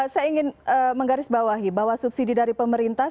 saya ingin menggarisbawahi bahwa subsidi dari pemerintah